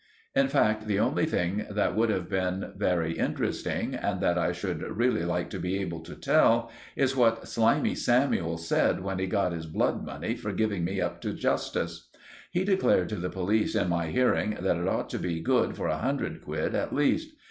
In fact, the only thing that would have been very interesting and that I should really like to be able to tell, is what Slimey Samuel said when he got his blood money for giving me up to justice. He declared to the police in my hearing that it ought to be good for a hundred quid at least.